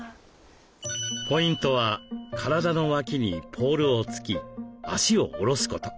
ポイントは体の脇にポールを突き脚を下ろすこと。